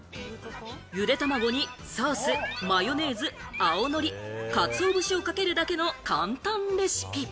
ゆでたまごにソース、マヨネーズ、青海苔、かつお節をかけるだけの簡単レシピ。